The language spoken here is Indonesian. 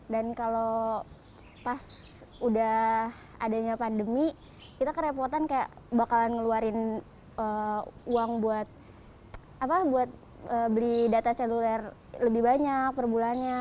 dan kalau pas udah adanya pandemi kita kerepotan kayak bakalan ngeluarin uang buat beli data seluler lebih banyak per bulannya